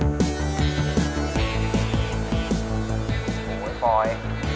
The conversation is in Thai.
โอ้โหชายพลอย